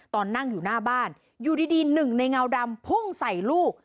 ตอนนั่งอยู่หน้าบ้านอยู่ดีหนึ่งในเงาดำพุ่งใส่ลูก